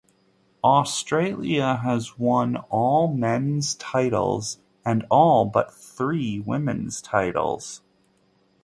Australia has won all men's titles and all but three women's titles.